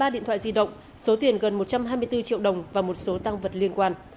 ba điện thoại di động số tiền gần một trăm hai mươi bốn triệu đồng và một số tăng vật liên quan